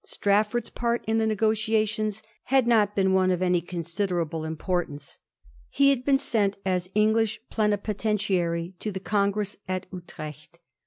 Strafford's part in the negotiations had not been one of any considerable importance. He had been sent as English Plenipotentiary to the Congress at Utrecht.